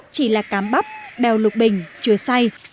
chỉ là cám bắp bèo lục bình chua xay